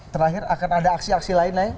terakhir akan ada aksi aksi lain lain